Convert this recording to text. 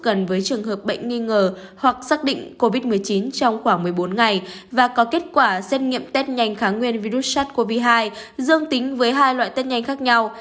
cụ thể ca bệnh là trường hợp bệnh nghi ngờ hoặc xét nghiệm covid một mươi chín trong khoảng một mươi bốn ngày và có kết quả xét nghiệm test nhanh kháng nguyên virus sars cov hai dương tính với hai loại test nhanh khác nhau